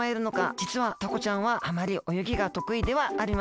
じつはタコちゃんはあまりおよぎがとくいではありません。